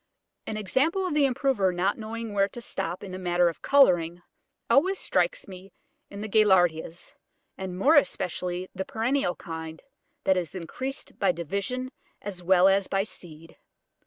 An example of the improver not knowing where to stop in the matter of colouring, always strikes me in the Gaillardias, and more especially in the perennial kind, that is increased by division as well as by seed.